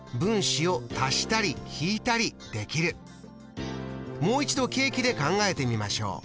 もう一度ケーキで考えてみましょう。